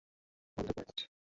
বন্ধ করো, রাজ।